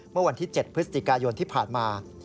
เมื่อวันที่๗พฤศจิกายนที่ผ่านมา